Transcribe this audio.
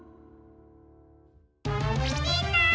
みんな！